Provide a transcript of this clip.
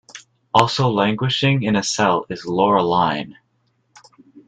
Also languishing in a cell is Laureline.